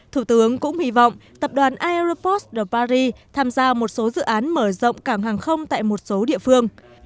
thủ tướng cũng hy vọng tập đoàn ieropost the paris tham gia một số dự án mở rộng cảng hàng không tại một số địa phương